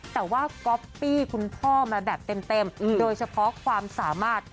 แต่ว่าก๊อปปี้คุณพ่อมาแบบเต็มโดยเฉพาะความสามารถ